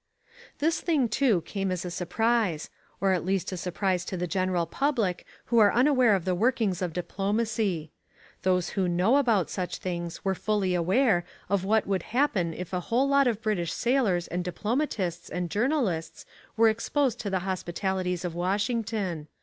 This thing too, came as a surprise, or at least a surprise to the general public who are unaware of the workings of diplomacy. Those who know about such things were fully aware of what would happen if a whole lot of British sailors and diplomatists and journalists were exposed to the hospitalities of Washington.